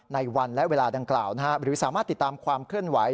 ในวันและเวลาดังกล่าวหรือสามารถติดตามความเคลื่อนไหว